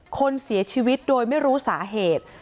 คนเสียชีวิตโดยไม่รู้สาเหตุ